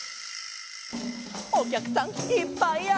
「お客さんいっぱいや」